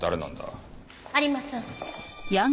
有馬さん。